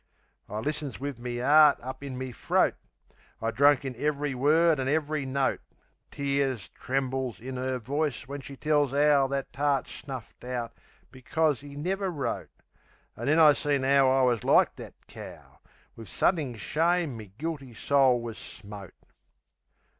I listens wiv me 'eart up in me throat; I drunk in ev'ry word an' ev'ry note. Tears trembles in 'er voice when she tells 'ow That tart snuffed out becos 'e never wrote. An' then I seen 'ow I wus like that cow. Wiv suddin shame me guilty soul wus smote.